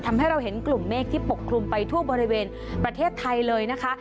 ทำให้เราเห็นกลุ่มเมฆที่ปกคลุมไปทั่วบริเวณประเทศไทยเลยนะคะ